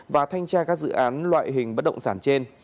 và thanh tra các dự án loại hình bất động sản trên